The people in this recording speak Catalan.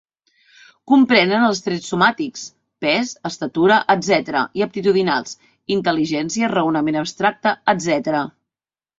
Comprenen els trets somàtics: pes, estatura, etcètera; i aptitudinals: intel·ligència, raonament abstracte, etcètera.